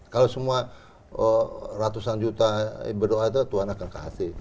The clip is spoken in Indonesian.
kalau semua ratusan juta berdoa itu tuhan akan kasih